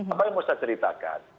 apa yang mau saya ceritakan